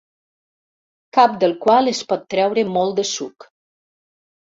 Cap del qual es pot treure molt de suc.